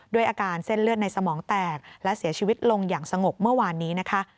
ด้วยอาการเส้นเลือดในสมองแตกและเสียชีวิตลงอย่างสงบเมื่อวานนี้นะคะ